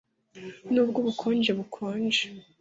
nubwo ubukonje bukonje